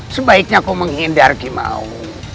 sebaiknya kau menghindar kimau